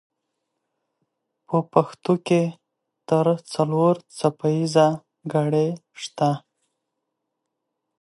په پښتو کې تر څلور څپه ایزه ګړې شته.